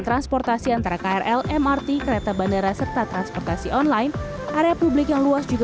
transportasi antara krl mrt kereta bandara serta transportasi online area publik yang luas juga